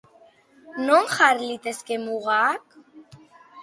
Non jar litezke mugak?